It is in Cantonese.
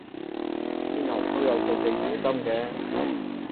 邊行都有佢嘅野心嘅